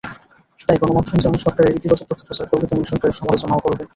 তাই গণমাধ্যম যেমন সরকারের ইতিবাচক তথ্য প্রচার করবে, তেমনি সরকারের সমালোচনাও করবে।